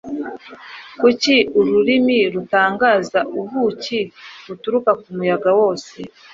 Kuki Ururimi rutangaza ubuki buturuka kumuyaga wose?